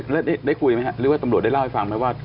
แล้วได้คุยไหมฮะหรือว่าตำรวจได้เล่าให้ฟังไหมว่า